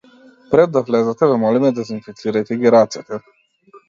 „Пред да влезете ве молиме дезинфицирајте ги рацете“